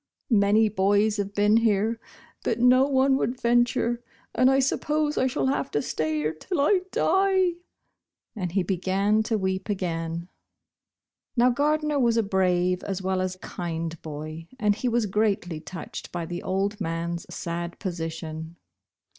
Many bo\3 have been here, but no one would venture, and I suppose I shall have to stay here till I die," and he b^ran to weep again. Xow Gardner was a brave as well as kind bov, and he was greatly touched by the old man s sad position.